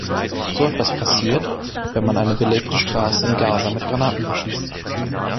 So etwas passiert, wenn man eine belebte Straße in Gaza mit Granaten beschießt.